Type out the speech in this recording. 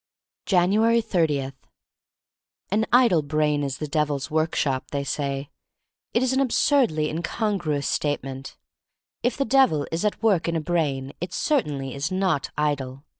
Januars 30* AN IDLE brain is the Devil's work shop, they say. It is an absurdly incongruous statement. If the Devil is at work in a brain it certainly is not idle.